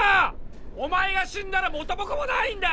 お前が死んだら元も子もないんだ